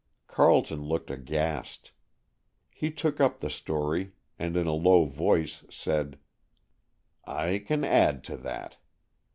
Carleton looked aghast. He took up the story, and in a low voice said, "I can add to that.